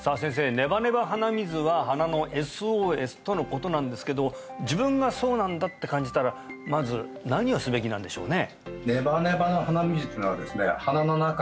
ネバネバ鼻水は鼻のＳＯＳとのことなんですけど自分がそうなんだって感じたらまず何をすべきなんでしょうね？